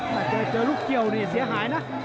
ถ้าเจอลูกเกี่ยวนี่เสียหายนะ